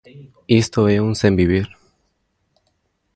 Isto é un sen vivir!